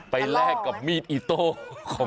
แลกกับมีดอิโต้ของ